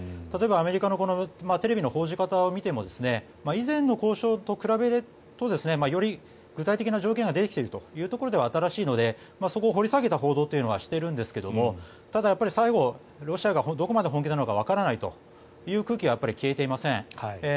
例えばアメリカのテレビの報じ方を見ても以前の交渉と比べるとより具体的な条件が出てきているというところでは新しいのでそこを掘り下げた報道というのはしているんですがただ、最後ロシアがどこまで本気なのかわからないという空気は消えていません。